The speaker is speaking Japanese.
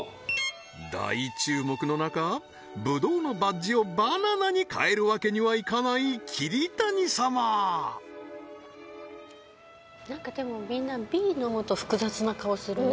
大注目の中ブドウのバッジをバナナに変えるわけにはいかない桐谷様なんかでもみんなＢ飲むと複雑な顔するね